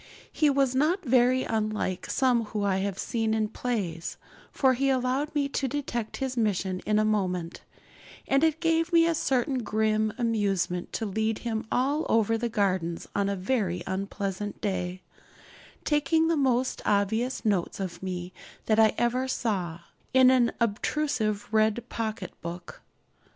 He was not very unlike some whom I have seen in plays, for he allowed me to detect his mission in a moment; and it gave me a certain grim amusement to lead him all over the gardens on a very unpleasant day, taking the most obvious notes of me that I ever saw, in an obtrusive red pocket book.